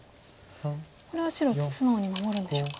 これは白素直に守るんでしょうか。